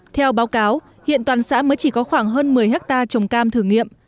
theo báo cáo hiện toàn xã mới chỉ có khoảng hơn một mươi hectare trồng cam thử nghiệm